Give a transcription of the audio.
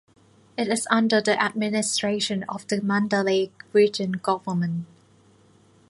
It is under the administration of the Mandalay Region Government.